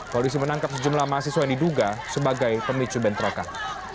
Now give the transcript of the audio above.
polisi menangkap sejumlah mahasiswa yang diduga sebagai pemicu bentrokan